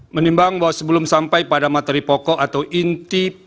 menimbang bahwa sebelum sampai pada materi pokok atau inti